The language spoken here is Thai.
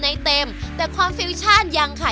เต็มแต่ความฟิวชั่นยังค่ะ